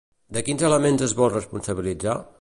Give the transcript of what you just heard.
De quins elements es vol responsabilitzar?